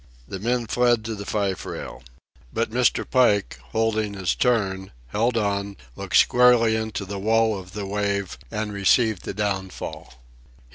The men fled to the fife rail. But Mr. Pike, holding his turn, held on, looked squarely into the wall of the wave, and received the downfall.